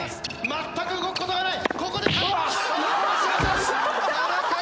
全く動くことがない